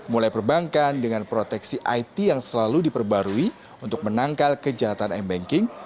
mulai perbankan dengan proteksi it yang selalu diperbarui untuk menangkal kejahatan m banking